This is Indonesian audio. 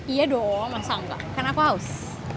iya dong masa enggak kenapa haus